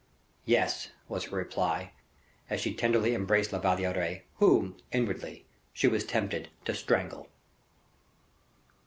"Yes," was her reply, as she tenderly embraced La Valliere, whom, inwardly, she was tempted to strangle.